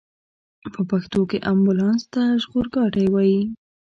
په پښتو کې امبولانس ته ژغورګاډی وايي.